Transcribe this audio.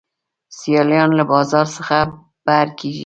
سیالان له بازار څخه بهر کیږي.